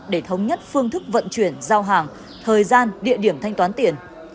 để thống nhất phương thức vận chuyển giao hàng thời gian địa điểm thanh toán tiền